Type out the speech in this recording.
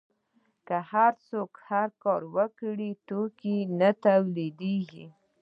که هر څوک هر کار وکړي توکي نه تولیدیږي.